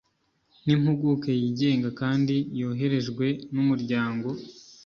n'impuguke yigenga kandi yoherejwe n'umuryango